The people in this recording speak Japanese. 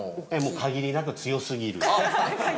限りなく強すぎる？